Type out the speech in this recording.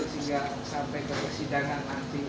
sehingga sampai ke persidangan nanti